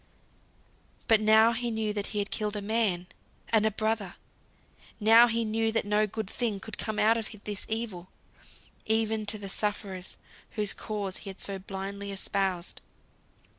But now he knew that he had killed a man, and a brother, now he knew that no good thing could come out of this evil, even to the sufferers whose cause he had so blindly espoused.